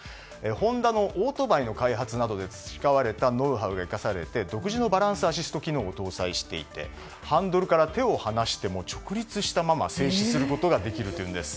ホンダのオートバイの開発などで培われたノウハウが生かされて独自のバランスアシスト機能を搭載していてハンドルから手を放しても直立したまま静止することができるというんです。